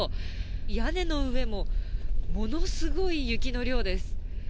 屋根の上もものすごい雪の量です。